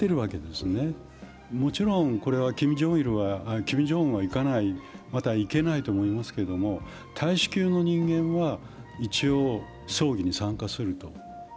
もちろんこれはキム・ジョンウンは行かないまた行けないと思いますけれども、大使級の人間が一応、葬儀に参加すると。